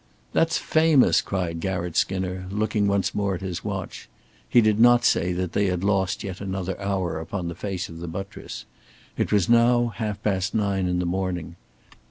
"That's famous," cried Garratt Skinner, looking once more at his watch. He did not say that they had lost yet another hour upon the face of the buttress. It was now half past nine in the morning.